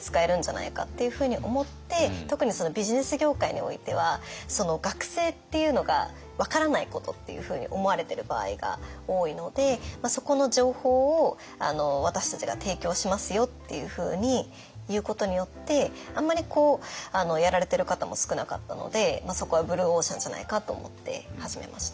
特にビジネス業界においては学生っていうのが分からないことっていうふうに思われてる場合が多いのでそこの情報を私たちが提供しますよっていうふうに言うことによってあんまりやられてる方も少なかったのでそこはブルーオーシャンじゃないかと思って始めました。